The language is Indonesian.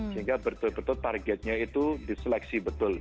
sehingga betul betul targetnya itu diseleksi betul